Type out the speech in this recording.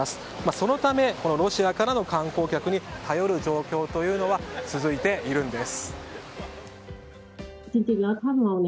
そのため、ロシアからの観光客に頼る状況は続いているんです。